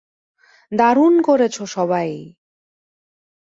দারুণ করেছ, সবাই।